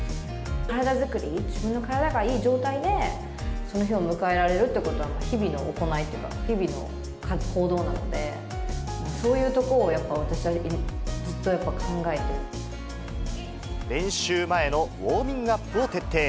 体作り、自分の体がいい状態でその日を迎えられるってことは、日々の行いっていうか、日々の行動なので、そういうところをやっぱ、練習前のウォーミングアップを徹底。